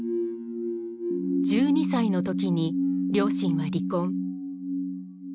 １２歳の時に両親は離婚。